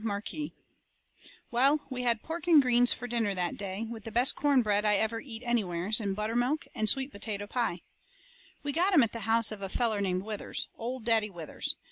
CHAPTER XVIII Well, we had pork and greens fur dinner that day, with the best corn bread I ever eat anywheres, and buttermilk, and sweet potato pie. We got 'em at the house of a feller named Withers Old Daddy Withers.